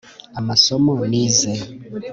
amasomo nize.